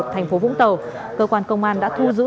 thành phố vũng tàu cơ quan công an đã thu giữ